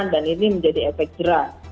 dan ini menjadi efek jerah